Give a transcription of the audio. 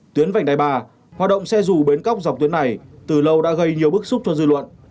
tuyến vành đai ba hoạt động xe dù bến cóc dọc tuyến này từ lâu đã gây nhiều bức xúc cho dư luận